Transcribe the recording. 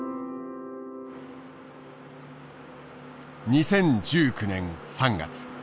２０１９年３月。